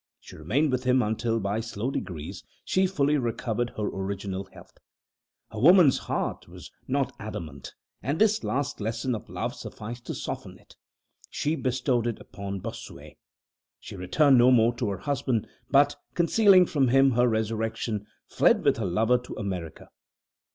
She remained with him until, by slow degrees, she fully recovered her original health. Her woman's heart was not adamant, and this last lesson of love sufficed to soften it. She bestowed it upon Bossuet. She returned no more to her husband, but, concealing from him her resurrection, fled with her lover to America.